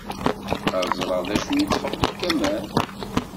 Ad ẓreɣ d acu i yettxemmim Kamal.